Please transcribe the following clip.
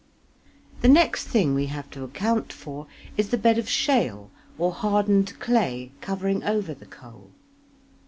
Week 24 The next thing we have to account for is the bed of shale or hardened clay covering over the coal.